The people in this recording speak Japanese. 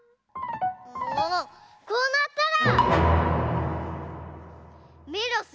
もうこうなったら！